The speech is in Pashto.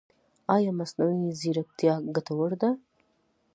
ایا مصنوعي ځیرکتیا ګټوره ده؟